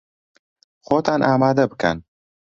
خۆتان ئامادە بکەن!